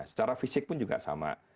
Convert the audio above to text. secara fisik pun juga sama